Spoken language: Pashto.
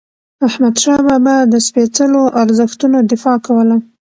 احمدشاه بابا د سپيڅلو ارزښتونو دفاع کوله.